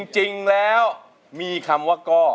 จริงแล้วมีคำว่าก้อ